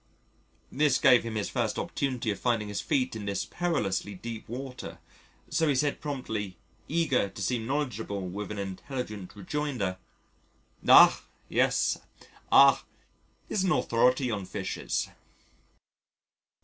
This gave him his first opportunity of finding his feet in this perilously deep water. So he said promptly, eager to seem knowledgeable with an intelligent rejoinder: "As! yes, R is an authority on Fishes."